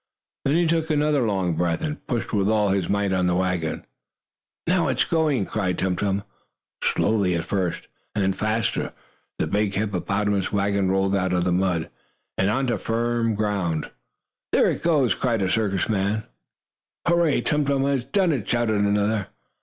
Then he took another long breath, and pushed with all his might on the wagon. "Now it's going!" cried Tum Tum. Slowly at first, and then faster, the big hippopotamus wagon rolled out of the mud, and on to the firm, hard road. "There it goes!" cried a circus man. "Hurray! Tum Tum has done it!" shouted another.